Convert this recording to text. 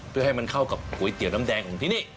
เพื่อให้มันเข้ากับก๋วยเตี๋ยวน้ำแดงของที่นี่